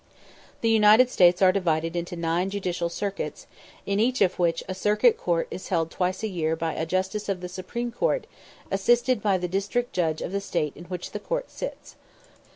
The United States are divided into nine judicial circuits, in each of which a Circuit Court is held twice a year by a justice of the Supreme Court, assisted by the district judge of the State in which the court sits.